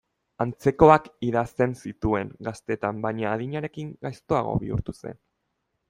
Antzekoak idazten zituen gaztetan baina adinarekin gaiztoago bihurtu zen.